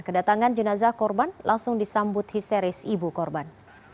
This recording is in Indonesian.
kedatangan jenazah korban langsung disambut histeris ibu korban